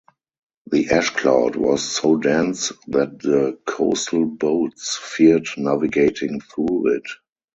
The ash cloud was so dense that the coastal boats feared navigating through it.